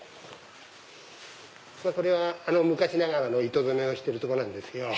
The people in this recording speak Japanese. これは昔ながらの糸染めをしてるとこなんですよ。